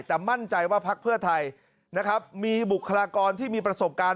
แต่มั่นใจว่าพักเพื่อไทยนะครับมีบุคลากรที่มีประสบการณ์